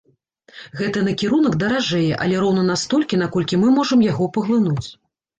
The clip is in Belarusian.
Гэты накірунак даражэе, але роўна настолькі, наколькі мы можам яго паглынуць.